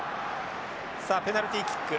さあペナルティキック。